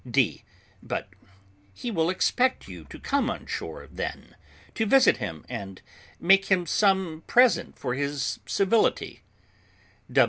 D. But he will expect you to come on shore, then, to visit him, and make him some present for his civility.